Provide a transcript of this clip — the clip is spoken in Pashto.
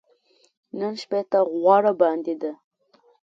نن شپې ته غوړه باندې ده .